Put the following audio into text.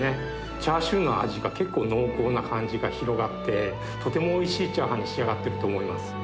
チャーシューの味が結構濃厚な感じが広がって、とてもおいしいチャーハンに仕上がっていると思います。